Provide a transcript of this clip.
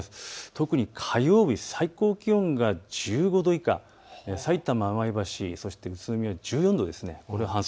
特に火曜日、最高気温が１５度以下、さいたま、前橋、そして宇都宮１４度です。